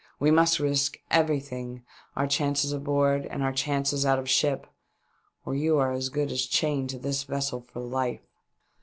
" We must risk everything — our chances aboard and our chances out of the ship — or you are as good as chained to this vessel for life."